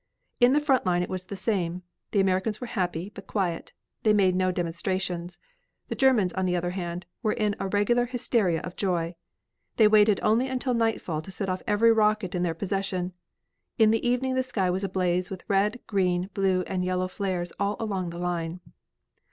In the front line it was the same. The Americans were happy, but quiet. They made no demonstrations. The Germans, on the other hand, were in a regular hysteria of joy. They waited only until nightfall to set off every rocket in their possession. In the evening the sky was ablaze with red, green, blue and yellow flares all along the line.